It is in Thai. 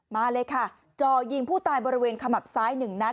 มาเลยค่ะจ่อยิงผู้ตายบริเวณขมับซ้ายหนึ่งนัด